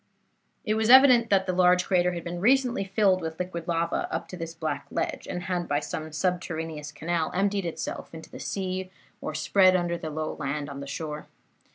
"It was evident that the large crater had been recently filled with liquid lava up to this black ledge, and had, by some subterraneous canal, emptied itself into the sea or spread under the low land on the shore.